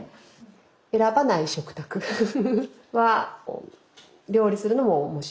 選ばない食卓は料理するのも面白いです。